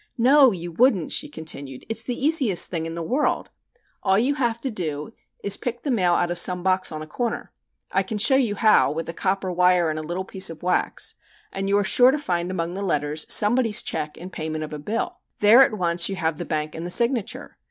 "No, you wouldn't," she continued. "It's the easiest thing in the world. All you have to do is to pick the mail out of some box on a corner. I can show you how with a copper wire and a little piece of wax and you are sure to find among the letters somebody's check in payment of a bill. There at once you have the bank, and the signature.